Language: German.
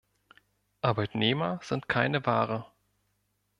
Arbeitnehmer sind keine Ware.